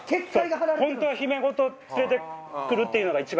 本当は姫ごと連れて来るっていうのが一番。